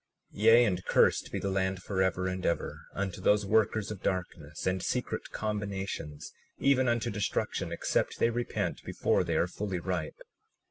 37:31 Yea, and cursed be the land forever and ever unto those workers of darkness and secret combinations, even unto destruction, except they repent before they are fully ripe.